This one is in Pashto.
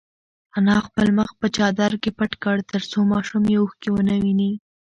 انا خپل مخ په چادر کې پټ کړ ترڅو ماشوم یې اوښکې ونه ویني.